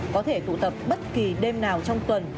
có thể tụ tập bất kỳ đêm nào trong tuần